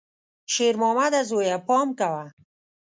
شېرمامده زویه، پام کوه!